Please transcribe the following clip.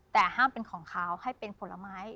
แต่ห้ามเป็นของเขาให้เป็นผลไม้